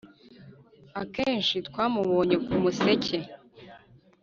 akenshi twamubonye ku museke